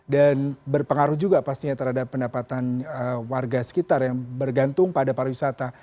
dan berpengaruh juga pastinya terhadap pendapatan warga sekitar yang bergantung pada para wisata